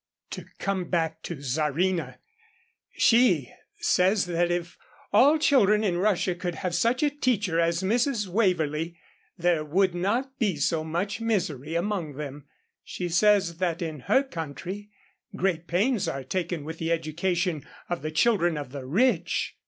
To come back to Czarina. She says that if all children in Russia could have such a teacher as Mrs. Waverlee, there would not be so much misery among them. She says that in her country, great pains is taken with the education of the children of the rich.